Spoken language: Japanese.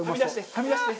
はみ出して！